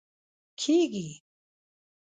کېږي